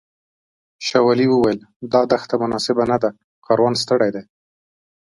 شاولي وویل دا دښته مناسبه نه ده کاروان ستړی دی.